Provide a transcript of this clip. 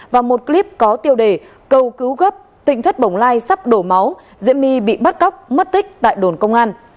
và một clip có tiêu đề cầu cứu gấp tinh thất bồng lai sắp đổ máu diễm my bị bắt cóc mất tích tại đồn công an